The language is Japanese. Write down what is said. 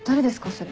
それ。